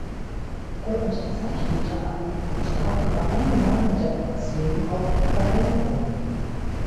Er unterzeichnete einen Vertrag über ein Jahr mit der Option auf Verlängerung.